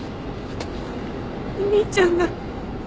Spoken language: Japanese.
お兄ちゃんが